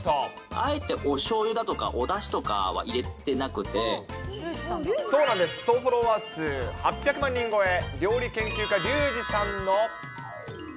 あえておしょうゆだとかおだそうなんです、総フォロワー数８００万人超え、料理研究家、リュウジさんの。